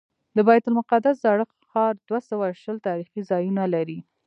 د بیت المقدس زاړه ښار دوه سوه شل تاریخي ځایونه لري.